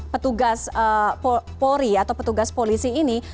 petugas polri atau petugas polisi ini